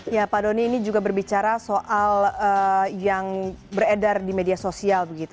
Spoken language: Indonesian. ya pak doni ini juga berbicara soal yang beredar di media sosial